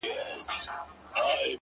ما يې توبه د کور ومخته په کوڅه کي وکړه!!